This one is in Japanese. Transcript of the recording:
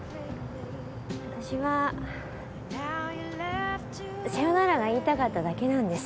わたしはさよならが言いたかっただけなんです。